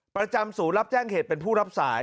ประจำศูนย์รับแจ้งเหตุเป็นผู้รับสาย